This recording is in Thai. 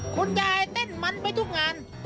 คุณยายเต้นมันไปทุกงาน